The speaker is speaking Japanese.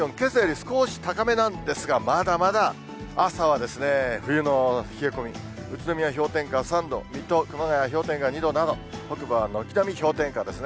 最低気温、けさより少し高めなんですが、まだまだ朝は冬の冷え込み、宇都宮、氷点下３度、水戸、氷点下２度など、北部は軒並み氷点下ですね。